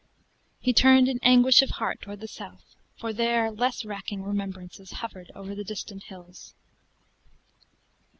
He turned in anguish of heart toward the south, for there less racking remembrances hovered over the distant hills.